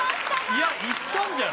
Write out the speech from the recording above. いやいったんじゃない？